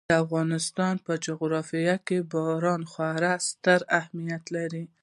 د افغانستان په جغرافیه کې باران خورا ستر اهمیت لري.